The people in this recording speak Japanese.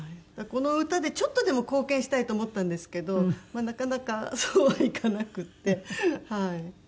この歌でちょっとでも貢献したいと思ったんですけどなかなかそうはいかなくってはい。